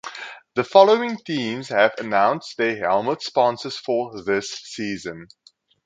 The following teams have announced their helmet sponsors for this season.